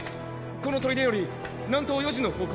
この砦より南東４時の方向。